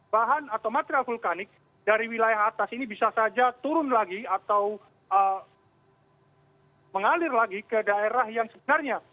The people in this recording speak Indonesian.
bahan atau material vulkanik dari wilayah atas ini bisa saja turun lagi atau mengalir lagi ke daerah yang sebenarnya